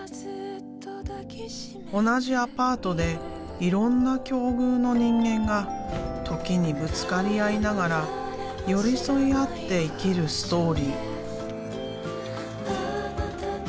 同じアパートでいろんな境遇の人間が時にぶつかり合いながら寄り添い合って生きるストーリー。